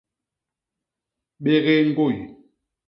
Bégé ñgôy.